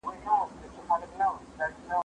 بوټونه د مور له خوا پاکيږي؟!